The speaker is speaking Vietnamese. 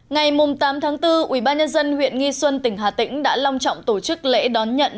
ngày tám tháng bốn ubnd huyện nghi xuân tỉnh hà tĩnh đã long trọng tổ chức lễ đón nhận